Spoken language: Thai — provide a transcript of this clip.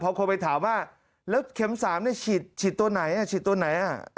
พอคนไปถามว่าแล้วเข็มสามเนี่ยฉีดตัวไหนอะ